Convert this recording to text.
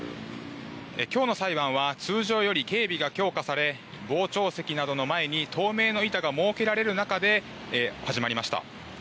きょうの裁判は、通常より警備が強化され、傍聴席などの前に透明の板が設けられる中で始まりました。